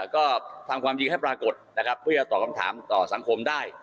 ก็ทำความจริงให้ปรากฏนะครับเพื่อจะตอบคำถามต่อสังคมได้